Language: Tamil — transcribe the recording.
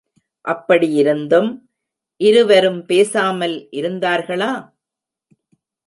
அப்படியிருந்தும், இருவரும் பேசாமல் இருந்தார்களா?